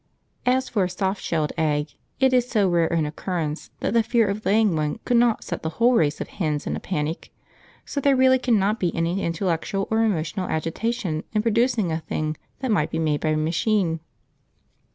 As for a soft shelled egg, it is so rare an occurrence that the fear of laying one could not set the whole race of hens in a panic; so there really cannot be any intellectual or emotional agitation in producing a thing that might be made by a machine.